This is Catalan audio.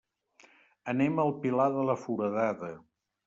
Anem al Pilar de la Foradada.